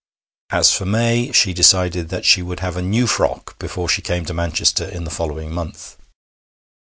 As for May, she decided that she would have a new frock before she came to Manchester in the following month.